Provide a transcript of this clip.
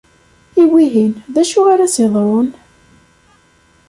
I wihin, d acu ara s-iḍrun?